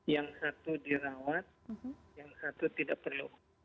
yang satu dirawat yang satu tidak perlu